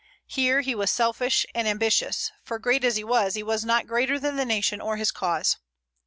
Here he was selfish and ambitious, for, great as he was, he was not greater than the nation or his cause.